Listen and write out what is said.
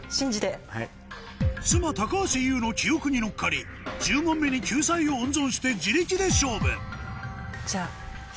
妻・高橋ユウの記憶に乗っかり１０問目に救済を温存して自力で勝負じゃあ。